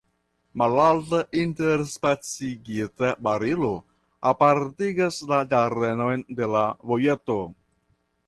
Malalta interspacigita barilo apartigas la ĝardenon de la vojeto.